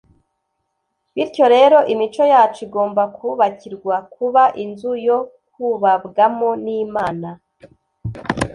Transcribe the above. Bityo rero, imico yacu igomba kubakirwa kuba “inzu yo kubabwamo n’Imana